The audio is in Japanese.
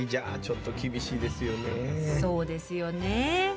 そうですよね。